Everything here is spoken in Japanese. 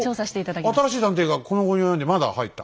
おっ新しい探偵がこの期に及んでまだ入った？